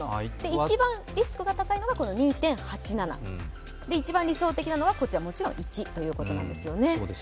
一番リスクが高いのが２．８７で一番理想的なのがもちろん１ということなんですね。